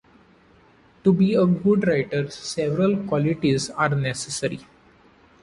To be a good writer, several qualities are necessary.